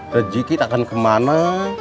rezeki tak akan kemana